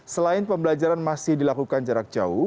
selain pembelajaran masih dilakukan jarak jauh